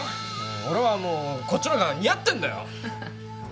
俺はもうこっちのほうが似合ってんだよ